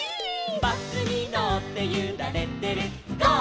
「バスにのってゆられてるゴー！